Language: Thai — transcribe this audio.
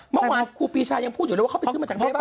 เมื่อวานครูปีชายังพูดอยู่เลยว่าเขาไปซื้อมาจากไหนบ้าง